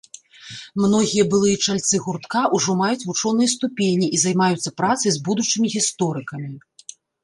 Многія былыя чальцы гуртка ўжо маюць вучоныя ступені і займаюцца працай з будучымі гісторыкамі.